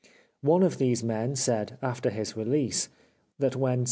One of these men said after his release, that when C.